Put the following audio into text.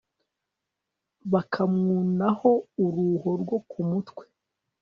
bakamwunaho uruhu rwo ku mutwe